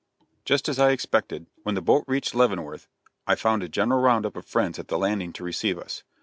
Just as I expected, when the boat reached Leavenworth, I found a general round up of friends at the landing to receive us.